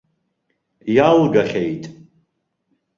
Иалгахьеит.